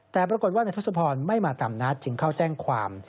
แต่ปรากฏว่านายทศพรไม่มาตามนัดจึงเข้าแจ้งความ